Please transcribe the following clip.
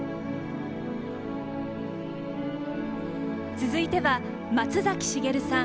続いては松崎しげるさん